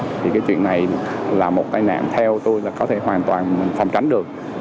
thì cái chuyện này là một tai nạn theo tôi là có thể hoàn toàn phòng tránh được